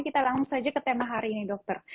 kita langsung saja ke tema hari ini dokter